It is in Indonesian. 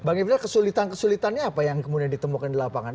bang ifdal kesulitan kesulitannya apa yang kemudian ditemukan di lapangan